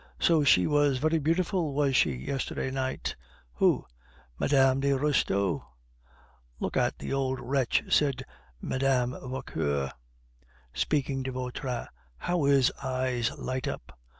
"So she was very beautiful, was she, yesterday night?" "Who?" "Mme. de Restaud." "Look at the old wretch," said Mme. Vauquer, speaking to Vautrin; "how his eyes light up!"